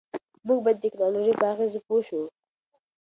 موږ باید د ټیکنالوژۍ په اغېزو پوه شو.